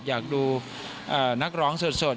อยากดูนักร้องสด